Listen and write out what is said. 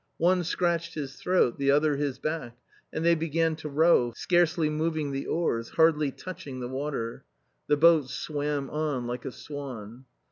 One scratched his throat, the other his back, and they began to row, scarcely moving the oars, hardly touching the water. The boat swam on like a swan.